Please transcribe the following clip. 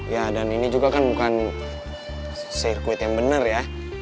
ya dan ini juga kan bukan sirkuit yang benar ya